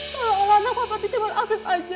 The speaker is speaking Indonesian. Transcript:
tolong anak papa itu cuma afid aja